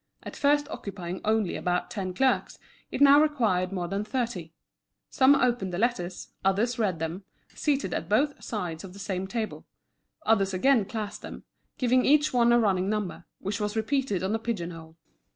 At first occupying only about ten clerks, it now required more than thirty. Some opened the letters, others read them, seated at both sides of the same table; others again classed them, giving each one a running number, which was repeated on a pigeon hole.